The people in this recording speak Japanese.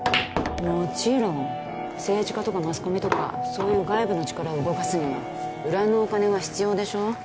もちろん政治家とかマスコミとかそういう外部の力を動かすには裏のお金が必要でしょ？